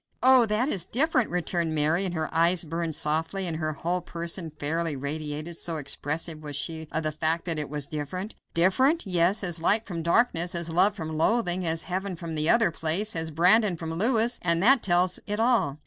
"Oh, that is different," returned Mary, and her eyes burned softly, and her whole person fairly radiated, so expressive was she of the fact that "it was different." Different? Yes, as light from darkness; as love from loathing; as heaven from the other place; as Brandon from Louis; and that tells it all.